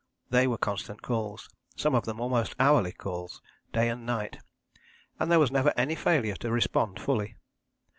They were constant calls some of them almost hourly calls, day and night and there was never any failure to respond fully.